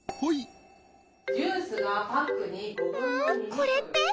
これって？